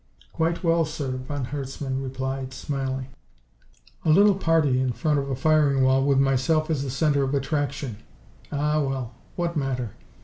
"Quite well, sir," von Herzmann replied, smiling. "A little party in front of a firing wall with myself as the center of attraction. Ah, well! What matter.